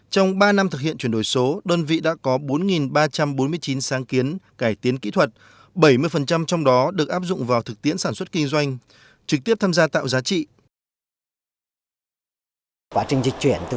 trong ba năm thực hiện chuyển đổi số đơn vị đã có bốn ba trăm bốn mươi chín sáng kiến cải tiến kỹ thuật bảy mươi trong đó được áp dụng vào thực tiễn sản xuất kinh doanh trực tiếp tham gia tạo giá trị